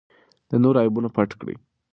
د نورو عیبونه پټ کړئ.